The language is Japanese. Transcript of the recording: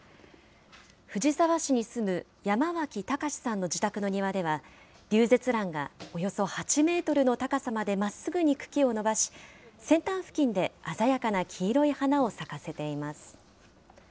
藤沢市に住む山脇孝さんの自宅の庭では、リュウゼツランがおよそ８メートルの高さまでまっすぐに茎を伸ばし、先端付近で鮮やかな黄色い花を咲かせています。